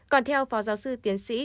còn theo phó giáo sư tiến sĩ